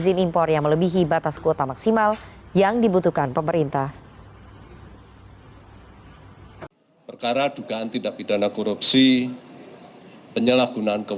izin impor yang melebihi batas kuota maksimal yang dibutuhkan pemerintah